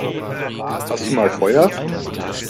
Hast du mal Feuer?